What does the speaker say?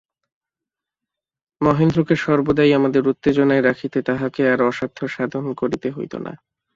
মহেন্দ্রকে সর্বদাই আমোদের উত্তেজনায় রাখিতে তাহাকে আর অসাধ্যসাধন করিতে হইত না।